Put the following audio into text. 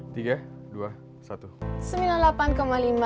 tiga dua satu